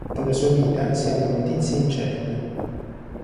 Della sua vita si hanno notizie incerte.